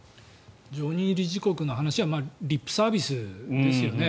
常任理事国の話はリップサービスですよね。